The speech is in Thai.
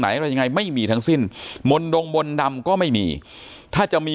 อะไรยังไงไม่มีทั้งสิ้นมนตงมนต์ดำก็ไม่มีถ้าจะมี